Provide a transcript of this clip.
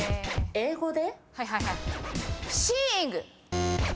英語で？